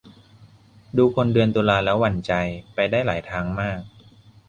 ดูคนเดือนตุลาแล้วหวั่นใจ ไปได้หลายทางมาก